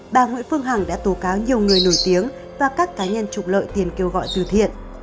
bà nguyễn phương hằng đã tố cáo nhiều người nổi tiếng và các cá nhân trục lợi tiền kêu gọi từ thiện